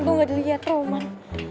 untung gak dilihat roman